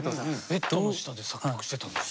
ベッドの下で作曲してたんですか？